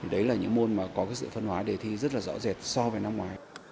đấy là những môn mà có cái sự phân hóa đề thi rất là rõ rệt so với năm ngoái